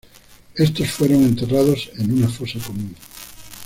Estos fueron enterrados en una fosa común.